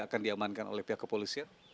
akan diamankan oleh pihak kepolisian